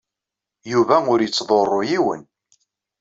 Yuba ur yettḍurru yiwen.